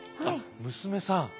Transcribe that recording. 娘さん。